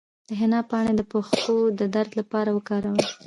د حنا پاڼې د پښو د درد لپاره وکاروئ